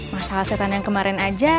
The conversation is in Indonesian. masalah setan yang kemarin aja